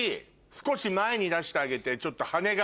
少し前に出してあげてちょっと羽が。